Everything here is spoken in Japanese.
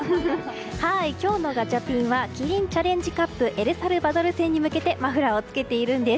今日のガチャピンはキリンチャレンジカップエルサルバドル戦に向けてマフラーをつけているんです。